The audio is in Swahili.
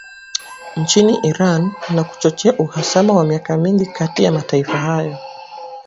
nchini Iran na kuchochea uhasama wa miaka mingi kati ya mataifa hayo